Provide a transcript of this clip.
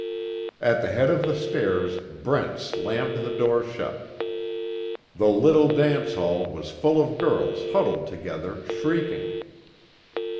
At the head of the stairs Brent slammed the door shut. The little dance hall was full of girls huddled together shrieking.